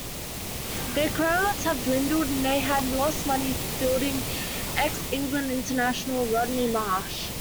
Their crowds had dwindled, and they had lost money fielding ex-England international Rodney Marsh.